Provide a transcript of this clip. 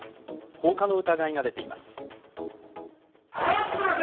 放火の疑いが出ています。